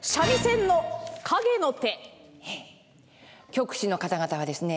曲師の方々はですね